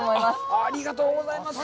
ありがとうございます。